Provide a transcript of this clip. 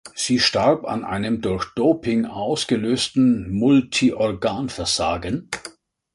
Sie starb an einem durch Doping ausgelösten Multiorganversagen.